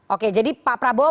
oke jadi pak prabowo